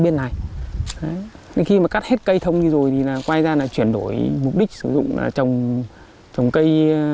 bên này khi mà cắt hết cây thông đi rồi thì là quay ra là chuyển đổi mục đích sử dụng là chồng chồng cây